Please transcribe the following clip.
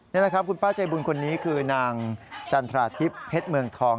นี่แหละครับคุณป้าใจบุญคนนี้คือนางจันทราทิพย์เพชรเมืองทอง